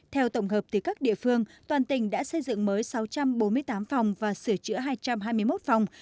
theo tổng hợp từ các địa phương toàn tỉnh đã xây dựng mới sáu trăm bốn mươi tám phòng và sửa chữa hai trăm hai mươi một phòng